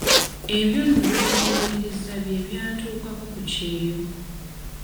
Ebyo nno bye nkunyumirizza bye byantuukako ku kyeyo.